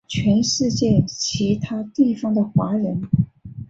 全世界其他地方的华人